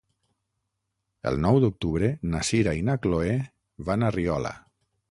El nou d'octubre na Sira i na Chloé van a Riola.